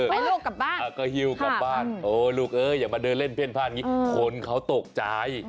ไปโลกกลับบ้านเฮียลกลับบ้านโอ้โหลูกเอออย่ามาเดินเล่นเพลงพลาดนี้โคนเขาตกใจ